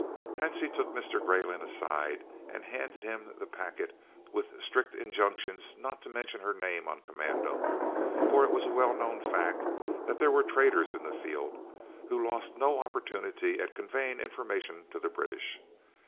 Hansie took Mr. Greyling aside and handed him the packet with strict injunctions not to mention her name on commando, for it was a well known fact that there were traitors in the field, who lost no opportunity of conveying information to the British.